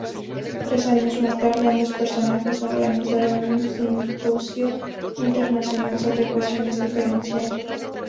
Tres años más tarde, ambos personajes organizaron un simposio internacional sobre ecuaciones diferenciales.